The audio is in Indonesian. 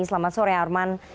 selamat sore arman